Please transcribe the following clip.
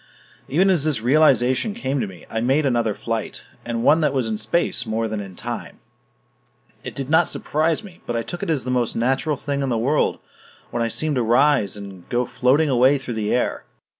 Even as this realization came to me, I made another flight and one that was in space more than in time. It did not surprise me, but I took it as the most natural thing in the world when I seemed to rise and go floating away through the air.